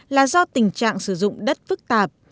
là do tình trạng sử dụng đất phức tạp